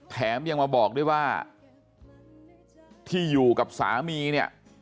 แถมยังมาบอกด้วยว่าที่อยู่กับสามีเนี่ย